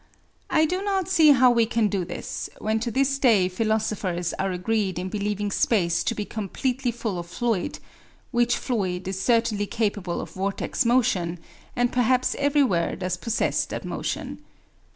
I do not see how we can do this, when to this day philosophers are agreed in believing space to be completely full of fluid, which fluid is certainly capable of vortex motion, and perhaps everywhere does possess that motion.